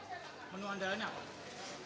menu andalanya apa